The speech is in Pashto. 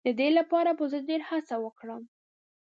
د دې لپاره به زه ډېر هڅه وکړم.